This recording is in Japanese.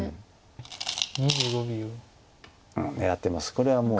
これはもう。